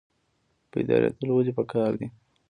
بیداریدل ولې پکار دي؟